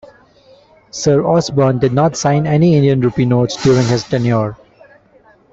Sir Osborne did not sign any Indian rupee notes during his tenure.